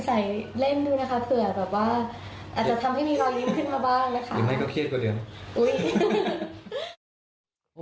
หรือไม่ก็เครียดก็เดียวนะ